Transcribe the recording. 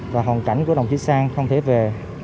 và hoàn cảnh của đồng chí sang không thể về